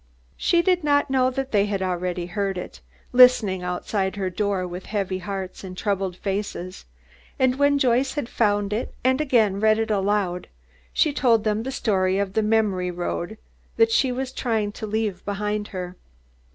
She did not know that they had already heard it, listening outside her door with heavy hearts and troubled faces, and when Joyce had found it and again read it aloud, she told them the story of the memory road that she was trying to leave behind her.